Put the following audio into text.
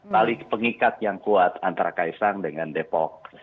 tali pengikat yang kuat antara kaesang dengan depok